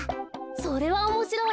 それはおもしろい。